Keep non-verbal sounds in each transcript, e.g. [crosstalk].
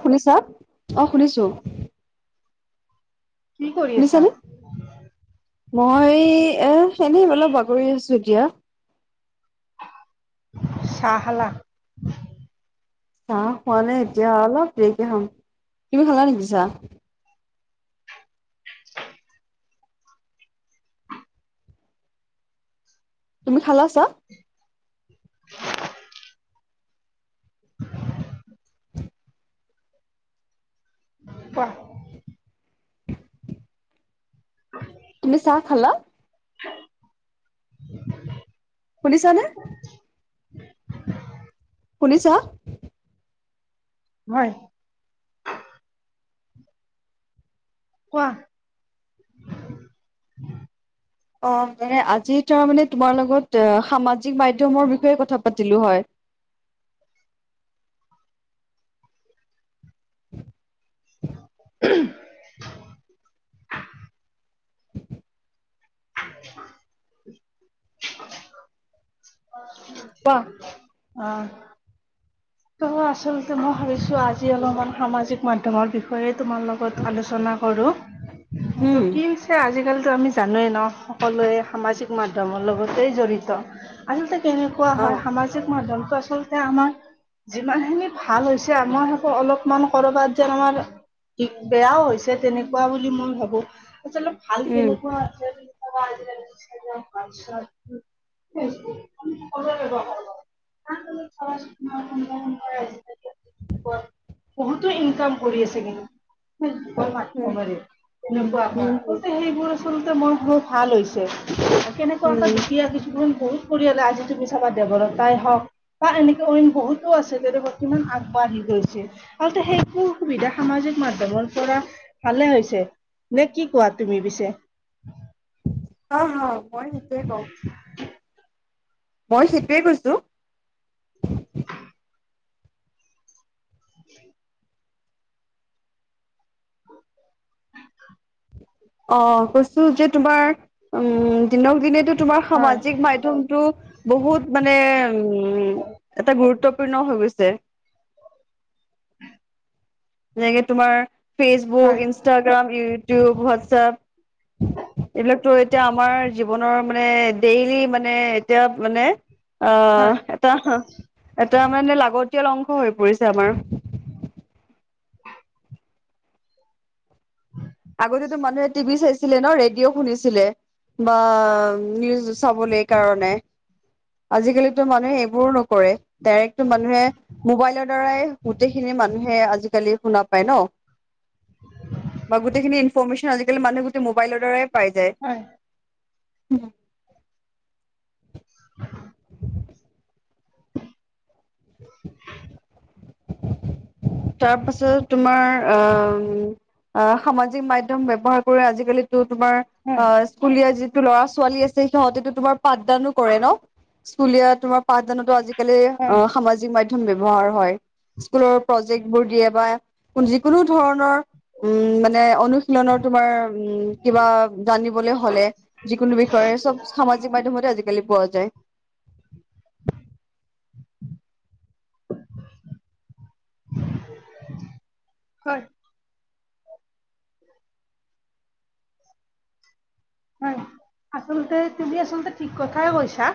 শুনিছা, অ শুনিছো। কি কৰি আছা শুনিছানে? মই এনেই অলপ বাগৰি আছো। কিয়া [unintelligible] চাহ খালা? চাহ খোৱা নাই, এতিয়া অলপ দেৰিকে খাম। তুমি খালা নেকি চাহ? উ [unintelligible] তুমি খালা চাহ? পৰ [unintelligible] তুমি চাহ খালা? [unintelligible] শুনিছানে? [inaudible] শুনিছা? হয়। কোৱা। অ মানে আজি তাৰ মানে তোমাৰ লগত অ সামা- জিক মাধ্যমৰ বিষয়ে কথা পাতিলো হয়। উ [unintelligible] [unintelligible] [unintelligible] কোৱা। অ। আচলতে মই ভাবিছো আজি অলপমান সামাজিক মাধ্যমৰ বিষয়ে তোমাৰ লগত আলোচনা, কৰো উম টো কি হৈছে, আজিকালি আমি জানোৱেই ন সকলোৱে সামাজিক মাধ্যমৰ লগতে জড়িত আলতে, তেনেকুৱা অ হয় সামাজিক মাধ্যম আচলতে, আমাৰ যিমান খিনি ভাল হৈছে, আমাৰকো অলপমান কৰবাত যেন আমাৰ কিযে আ ও হৈছে তেনেকুৱা বুলি মই ভাবো। আচল ভাল উম কেনেকুৱা আছে কনেকা। হাৰ [unintelligible] ক চ [unintelligible] জ বহুতো ইনকাম কৰি আছে কিন্তু। উম উম উম সেইবোৰ আচলতে মোৰ বত ভাল হৈছে। কেনেকুৱা কৈ উম। দুখীয়া কিছুখন গৈ পৰিয়ালে আজি তুমি চাবা দেবলতাই হক তাই হওক বা এনেকে অইন বহুত আছে বৰ্তমান আগবাঢ়ি গৈছে আ সেইবোৰ সুবিধা সামাজিক মাধ্যমপৰা, ভালে হৈছে নে কি কোৱা তুমি পিছে, অ হা মই সেই টো এই কওঁ মই সেইটোৱে কৈছো, অ কৈছো, যে তোমাৰ উম দিনক দিনেতো তোমাৰ হয় সামাজিক মাধ্যমটো বহুত মানে উম এটা গুৰুত্ব পূৰ্ণ হৈ গৈছে। যেনেকে তোমাৰ ফেচবুক, হয় ইনষ্টাগ্ৰাম, ইউটিউব, হোৱাটছএপ। এইবিলাকতো এতিয়া আমাৰ জীৱনৰ মানে ডেইলি মানে এতিয়া মানে, হয় আহ এটা এটা মানে লাগতিয়াল অংশ হৈ পৰিছে, আমাৰ [unintelligible] আগতেতো মানুহে টিভি বিচাইছে, ছিলে ন ৰেডিঅ' শুনিছিলে, বা নিউজ চাবলৈ কাৰণে। আজিকালিটো মানুহে এইবোৰো নকৰে ডাইৰেক্টটো মানুহে মোবাইলৰ দ্বাৰাই গোটেইখিনি মানুহে হে আজিকালি শুনা পায় ন। বা গোটেইখিনি ইনফৰৰ্মেশ্যন আজিকালি মানুহে গোটেই মোবাইলৰ দ্বাৰাই পাই যায়। হয় উম। হয় [unintelligible] [unintelligible] তাৰ পাছত তোমাৰ অ সামাজিক মধ্য এ ব্যৱহাৰ কৰে আজিকালি তুমাৰ হয় অ স্কুলীয়া যিটো ল'ৰা ছোৱা ছোৱালী আছে সিহতেতো তোমাৰ পাঠদানো কৰে ন, স্কুলীয়া তোমাৰ পঠদানতো আজি আজিকালি হয় অ সামাজিক মাধ্যম ব্যৱহাৰ হয়। স্কুলৰ প্ৰজেক্টবোৰ দিয়ে বা যিকোনো ধৰণৰ উম মানে অনুশীলনৰ তোমাৰ উম কিবা জানিবলৈ হলে যিকোনো সে [unintelligible] হয়। হয়, আচলতে তুমি আচলতে ঠিক কথাই কৈছা।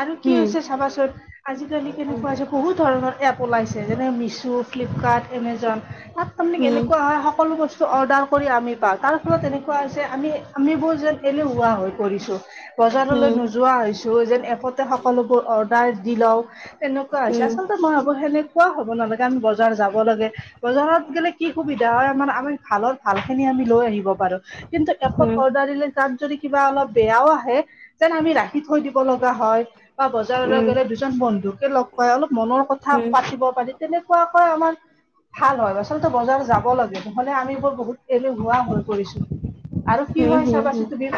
আৰু কি উম হৈছে চাবাচোন আজিকালি উম কেনেকুৱা হৈছে বহুত ধৰণৰ এ ওলাইছে যেনে মিছো, ফ্লিপকাৰ্ট, এমেজন তাত তাৰমানে উম কেনেকুৱা হয় সকলো বস্তু অৰ্ডাৰ কৰি আমি পাওঁ তাৰ ফলত এনেকুৱা হৈছে আমি আমিবোৰ যেন এনে হা হৈ পৰিছো। বজাৰলৈ উম নোযোৱা হৈছো যেন এপতে সকলোবোৰ অৰ্ডাৰ দি লও তেনেকুৱা হৈছে উম আচলতে, মই অৱহেলা তেনেকুৱা হ'ব নালাগে আমি বজাৰ যাব লাগে বজাৰত গেলে কি সুবিধা হয় আমাৰ আমি ভালত ভাল খিনি আ লৈ আহিব পাৰোঁ। কিন্তু এপট উম অৰ্ডাৰ তাত যদি কিবা অলপ বেয়াও আহে তেন আমি ৰাখি থৈ দিব লগা হয়। বা বজাৰলৈ গ'লে উম দুজন বন্ধুকে লগ পাই অলপ মনৰ কথা উম। পাতিব পাৰি। তেনেকুৱাকৈ আমাৰ ভাল হয় আচলতে বজাৰ যাব লাগে নহলে আমি বোৰ বহুত এনেহুৱা হৈ পৰিছো আৰু কি উম হয় হুম হুম চাবাচোন তুমি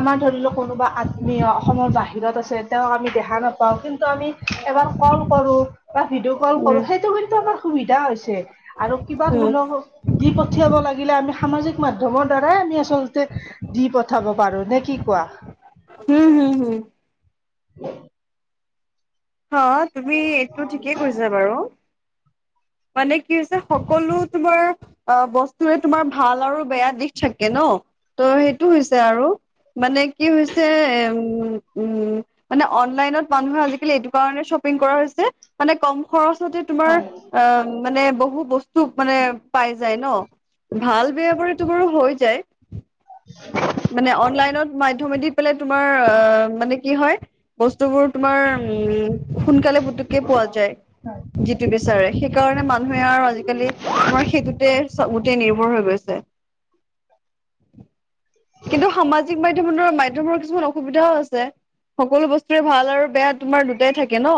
আমাৰ ধৰি লক কোনোবা আত্মীয় অসমৰ বাহিৰত আছে তেওঁক আমি দেখা নাপাওঁ কিন্তু আমি এবাৰ কল কৰো বা ভিডিঅ' কল উম কৰো সেইটো কিন্তু আমাৰ সুবিধা হৈছে আৰু কিবা ধৰি হুম লওক দি পঠিয়াব লাগিলে আমি সামাজিক মাধ্যমৰ দ্বাৰাই আমি আচলতে তে দি পঠাব পাৰো নে কি কোৱা উম হম হম হয় অ তুমি এইটো ঠিকেই কৈছা বাৰু মানে কি হৈছে সকলো তোমাৰ অ বস্তুৰে তোমাৰ ভাল আৰু বেয়া দিশ থাকে ন তো' সেইটো হৈছে আৰু মানে কি হৈছে উম উম মানে অনলাইনত মানুহৰ আজিকালি থাকিলে এইটো কাৰণে শ্বপিং কৰা হৈছে মানে কম খৰচতে তোমাৰ হয় অহ মানে বহু বস্তু মানে পাই যায় ন ভাল বেয়া কৰিতো বাৰু হৈ যায় মানে অনলাইনত মাধ্যমেদি পেলাই তোমাৰ মানে কি হয় বস্তুবোৰ তোমাৰ উম সোনকালে পুতুকে পোৱা যায় যিটো বিচাৰে সেইকাৰণে মানুহে আৰু আজিকালি তোমাৰ সেইটোতে গোটেই নিৰ্ভৰ হৈ গৈছে কিন্তু সামাজিক মাধ্যম মাধ্যমৰ কিছুমান অসুবিধাও আছে সকলো বস্তুৰে ভাল আৰু বেয়া তোমাৰ দুটাই থাকে ন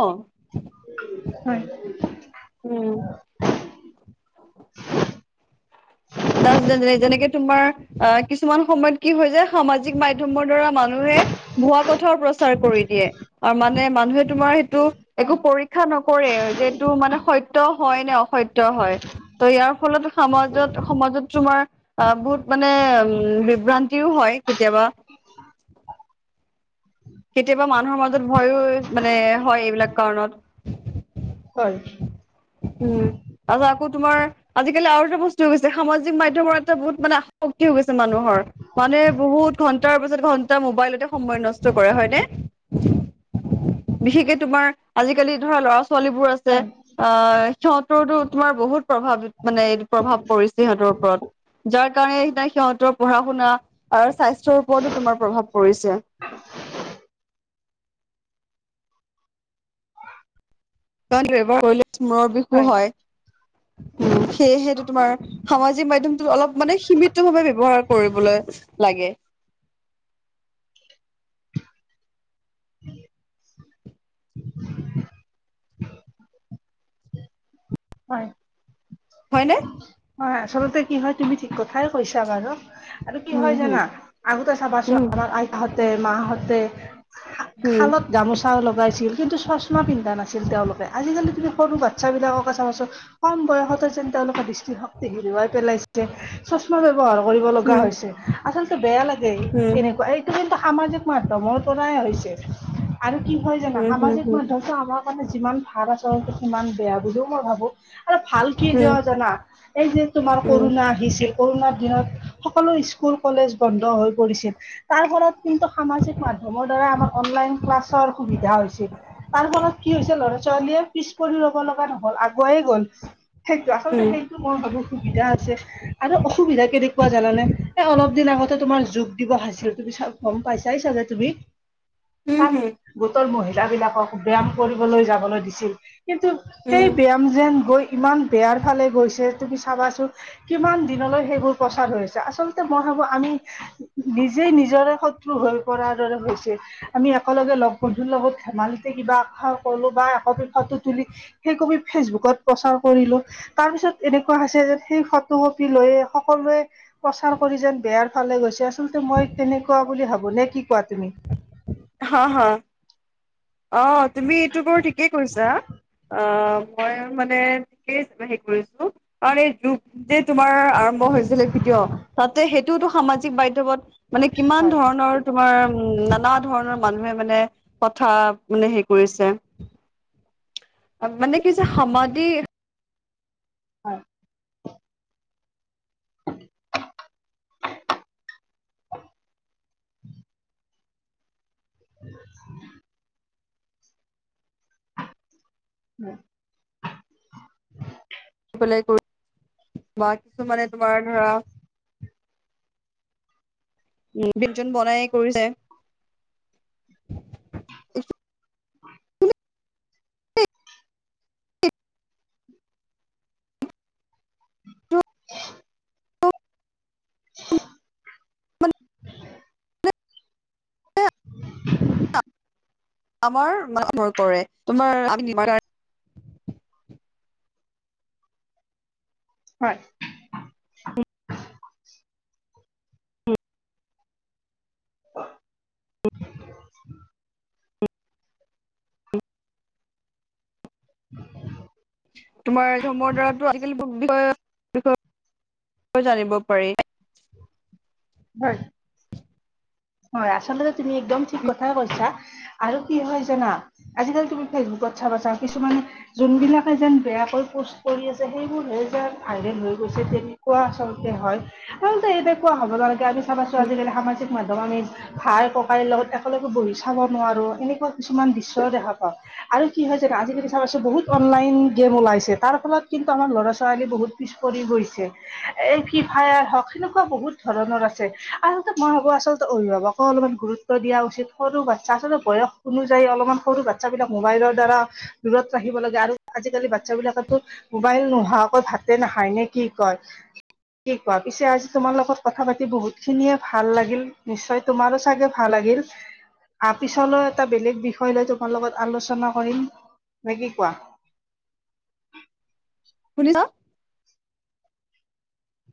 হয় উম [unintelligible] তাৰ পিছত যেনেকে তোমাৰ অ কিছুমান সময়ত কি হৈ যে সামাজিক সামাজিক মাধ্যমৰ দোৱাৰা মানুহে ভুৱা কথা প্ৰচাৰ কৰি দিয়ে আৰু মানে মানুহে তোমাৰ সেইটো একো পৰীক্ষা নকৰে যিহেতু মানে সত্য হয় নে অসত্য হয় ত ইয়াৰ ফলত ফলতো সমাজত সমাজত তোমাৰ অহ বহুত মানে উ বিভ্ৰান্তিও হয় কেতিয়াবা [unintelligible] কেতিয়াবা মানুহৰ মাজত ভয়ো মানে হয় এইবিলাক কাৰণত হয় উম তাৰ পিছত আকৌ তোমাৰ আজিকালি আৰু এটা বস্তু হৈ গৈছে সামাজিক মাধ্যমত এটা বহুত মানে আসক্তি হৈ গৈছে মানুহৰ মানে বহুত ঘন্টাৰ পিছত ঘন্টা মোবাইলতে সময় নষ্ট বাৰু হয় নে বিশেষ কে তোমাৰ আজিকালি ধৰা ল'ৰা- ছোৱালীবোৰ আছে অ সিহঁতৰতো তোমাৰ বহুত প্ৰভাৱ মানে প্ৰভাৱ পৰিছে সিহঁতৰ ওপৰত যাৰ কাৰণে সেইদিনা সিহঁতৰ পঢ়া শুনা আৰু স্বাস্থ্যৰ ওপৰতো তোমাৰ প্ৰভাৱ পৰিছে কাৰন এবাৰ কৰিলে মূৰ বিষ হয় উম সেয়েহেটো তোমাৰ সামাজিক মাধ্যমটোত অলপ মানে সীমিত ভাৱে ব্যৱহাৰ কৰিবলৈ লাগে [unintelligible] [unintelligible] হয় হয় নে হয় আচলতে কি হয় তুমি ঠিক কথাই কৈছা বাৰু আৰু কি উম, হয় হুম, জানা আগতে চাবা ছো উম, আমাৰ আইতা হতে মা হতে হুম, হালত গামোচা লগাইছিল কিন্তু চচমা পিন্ধা নাছিল তেওঁলোকে আজিকালি তুমি সৰু বাচ্ছা বাচ্ছা বিলাককে চাব কম বয়সত যেন তেওঁলোকে দৃষ্টিশক্তি হেৰুৱাই পেলাইছে চচমা ব্যৱহাৰ কৰিব লগা হুম, হৈছে আচলতে বেয়া লাগে এনেকুৱা এইটো কিন্তু সামাজিক মাধ্যমৰ পৰাই হৈছে আৰু কি হয় জানো হুম, হুম, হুম, সামাজিক সমাজিক হুম। মাধ্যমটো আমাৰ কাৰণে যিমান ভাল আচলতে সিমান বেয়া বুলিও মই ভাবো আৰু ভাল কি উম, যোৱা জানা এই যে তোমাৰ উম, কৰুণা আহিছিল। কৰুণাৰ দিনত স সকলো স্কুল কলেজ বন্ধ হৈ পৰিছিল। তাৰ ফলত কিন্তু সামাজিক মাধ্যমৰ দ্বাৰা আমাৰ অনলাইন ক্লাছৰ সুবিধা হৈছে। তাৰ ফলত কি হৈছে ল'ৰা-ছোৱালীয়ে পিছ পৰি ৰ'ব লগা নহল, আগুৱাইয়ে গ'ল। উম, সেইটো মই ভাবোঁ সুবিধা হৈছে আৰু অসুবিধা কেনেকুৱা জানানে এ অলপ দিন আগতে তোমাৰ যোগ দিবস আছিল তুমি চা গম পাইছাই চাগে তুমি। উম, তাত হুম, গোটৰ মহিলাবিলাকক ব্যায়াম কৰিবলৈ যাবলৈ দিছিল। কিন্তু সেই উম। ব্যায়াম যেন গৈ ইমান বেয়াৰ ফালে গৈছে তুমি চাবাচোন কিমান দিনলৈ সেইবোৰ প্ৰচাৰ হৈ আছে আচলতে মই ভাবো আমি নিজেই নিজৰে শত্ৰু হৈ পৰাৰ দৰে হৈছে আমি একেলগে লগ বন্ধুৰ লগত ধেমালিতে কিবা এখাৰ কলো বা একপি ফটো তুলি সেই কপি ফেচবুকত প্ৰচাৰ কৰিলো। তাৰ পিছত এনেকুৱা হৈছে যেন সেই ফটো কপি লৈ সকলোৱে প্ৰচাৰ কৰি যেন বেয়াৰ ভাল। গৈছে আচলতে মই তেনেকুৱা বুলি ভাবো। নে কি কোৱা তুমি? উ। হা, হা, অ, তুমি এইটো বৰ ঠিকেই কৈছা। অ, মই মানে হে কৰিছো কাৰ যে তোমাৰ্ হৈছিলে ভিডিঅ তাতে সেইটোতো সামাজিক মাধ্যমত মানে কিমান হয় ধৰণৰ তোমাৰ নানা ধৰণৰ মানুহে মানে কথা মানে হেৰি কৰিছে। মানে কি যে সমাধি হয়। [unintelligible] [unintelligible] উম। পেলাই বা কিছুমানে তোমাৰ ধৰা উম, ব্যঞ্জন বনাই কৰিছে। [unintelligible] [unintelligible] মানে [inaudible] [inaudible] আমাৰ মানৰ কৰে তোমাৰ [unintelligible] হয়। উম। অ। [inaudible] তোমাৰ ধৰ্মৰ দ্বাৰাতো আজিকালি বিষয়ে বিষয়ে জানিব পাৰি। হয়। হয়, আচলতে তুমি একদম ঠিক কথাই কৈছা আৰু কি হয় জানা আজিকালি তুমি ফেচবুক বছা বচা কিছুমানে যোনবিলাকে যেন বেয়াকৈ পোষ্ট কৰি আছে সেইবোৰ হে যে ভাইৰেল হৈ তেনেকুৱা আচলতে হয়। আচলতে এনেকুৱা হ'ব নালাগে। আমি চাবা ছোৱালী যেনে সামাজিক মাধ্যমত আমি ভাই-ককাইৰ লগত একেলগে বহি চাব নোৱাৰো এনেকুৱা কিছুমান দৃশ্য দেখা পাওঁ। আৰু কি হয় জানা? আজি-কালি চাবাছো বহুত অনলাইন গেম ওলাইছে। তাৰ ফলত কিন্তু আমাৰ ল'ৰা-ছোৱালী বহুত পিছ পৰি [unintelligible] সেনেকুৱা বহুত ধৰণৰ আছে। আচলতে মই ভাবো আচল অভিভাৱকো অলপমান গুৰুত্ব দিয়া উচিত। সৰু বাচ্ছা আচলতে বয়স অনুযায়ী অলপমান সৰু বাচ্ছাবিলাক মোবাইল ৰ দ্বাৰা দূৰত ৰাখিব লাগে। আৰু আজিকালি বাচ্ছা বিলাকেটো মোবাইল নোহোৱাকৈ ভাতে নাখায়, নে কি কয়? কি কোৱা? পিছে আজি তোমাৰ লগত কথা পাতি বহুত খিনিয়ে ভাল লাগিল। নিশ্চয়, তোমাৰো চাগে ভাল লাগিল? আহ পিছলৈ এটা বেলেগ বিষয় লৈ তোমাৰ লগত আলোচনা কৰিম। নে কি কোৱা? শুনিছা?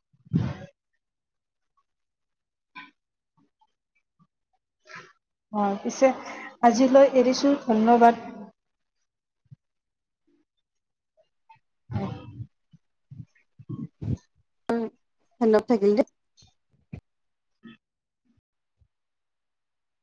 [inaudible] অ পিছে আজিলৈ এৰিছোঁ ধন্যবাদ। অ অ [unintelligible] থাকিল দেই-